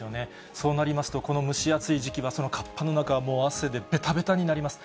そうなりますと、この蒸し暑い時期は、そのかっぱの中は、もう汗でべたべたになります。